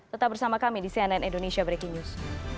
tetap bersama kami di cnn indonesia breaking news